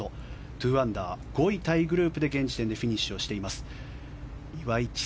２アンダー５位タイグループで現在フィニッシュしています。